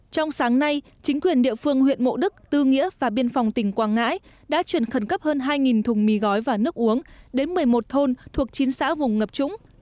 trong sáng nay chính quyền địa phương huyện mộ đức tư nghĩa và biên phòng tỉnh quảng ngãi đã chuyển khẩn cấp hơn hai thùng mì gói và nước uống đến một mươi một thôn thuộc chín xã vùng ngập trũng